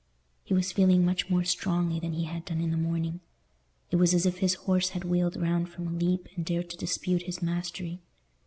He was feeling much more strongly than he had done in the morning: it was as if his horse had wheeled round from a leap and dared to dispute his mastery.